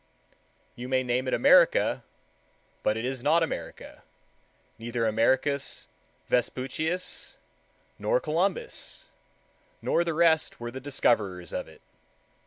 You may name it America, but it is not America: neither Americus Vespucius, nor Columbus, nor the rest were the discoverers of it.